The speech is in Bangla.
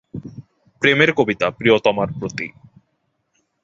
প্রেমের কবিতা, প্রিয়তমার প্রতি।